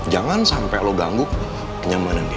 jangan sampai lo ganggu kenyamanan dia